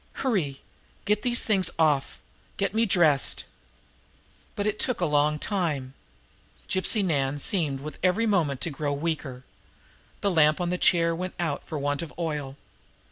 Hurry! Get these things off! Get me dressed!" But it took a long time. Gypsy Nan seemed with every moment to grow weaker. The lamp on the chair went out for want of oil.